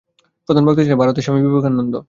প্রধান বক্তা ছিলেন ভারতের স্বামী বিবেকানন্দ।